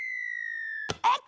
あっ！